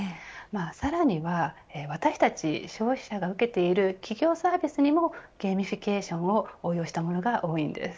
さらには私たち消費者が受けている企業サービスにもゲーミフィケーションを応用したものが多いです。